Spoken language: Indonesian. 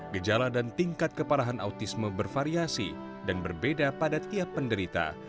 gejala dan tingkat keparahan autisme bervariasi dan berbeda pada tiap penderita